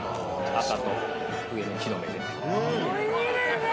赤と上の木の芽で。